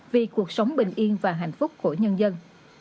vì cuộc sống bình yên và hạnh phúc của nhân dân